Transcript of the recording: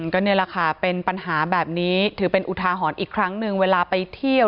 ก็นี่แหละค่ะเป็นปัญหาแบบนี้ถือเป็นอุทาหรณ์อีกครั้งหนึ่งเวลาไปเที่ยว